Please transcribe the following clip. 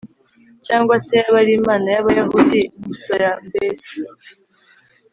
Cyangwa se yaba ari Imana y Abayahudi gusa y Mbese